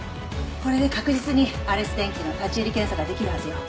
これで確実にアレス電機の立入検査ができるはずよ。